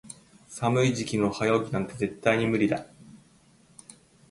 寒い時期の早起きなんて絶対に無理だ。